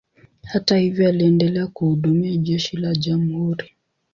Hata hivyo, aliendelea kuhudumia jeshi la jamhuri.